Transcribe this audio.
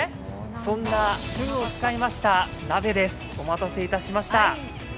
そんなふぐを使いました鍋です、お待たせいたしました。